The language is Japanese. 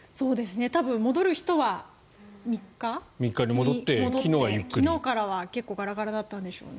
多分、戻る人は３日戻って昨日からは結構ガラガラだったんでしょうね。